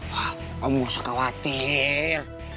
wah kamu gak usah khawatir